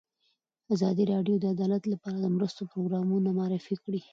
ازادي راډیو د عدالت لپاره د مرستو پروګرامونه معرفي کړي.